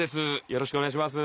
よろしくお願いします。